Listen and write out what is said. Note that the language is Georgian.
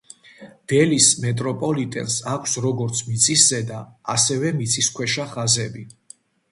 დელის მეტროპოლიტენს აქვს როგორც მიწისზედა, ასევე მიწისქვეშა ხაზები.